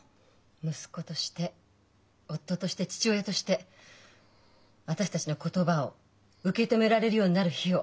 息子として夫として父親として私たちの言葉を受け止められるようになる日を。